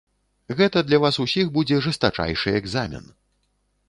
Гэта для вас усіх будзе жэстачайшы экзамен.